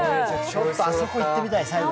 ちょっとあそこ行ってみたい、最後の。